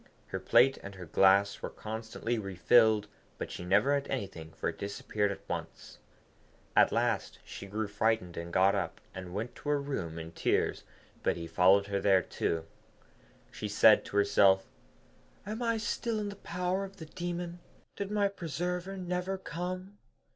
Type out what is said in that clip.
Her plate and her glass were constantly refilled, but she never had anything, for it disappeared at once. At last she grew frightened, got up, and went to her room in tears, but he followed her there too. She said to herself, 'Am I still in the power of the demon? Did my preserver never come?'